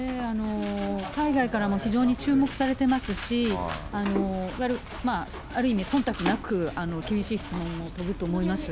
海外からも非常に注目されてますし、ある意味、そんたくなく、厳しい質問が飛ぶと思います。